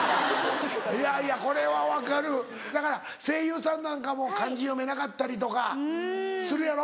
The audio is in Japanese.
いやいやこれは分かるだから声優さんなんかも漢字読めなかったりとかするやろ。